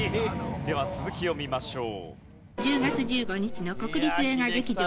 では続きを見ましょう。